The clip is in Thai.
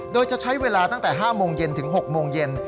โดยจะใช้เวลาตั้งแต่๕โมงเย็นถึง๖โมงเย็น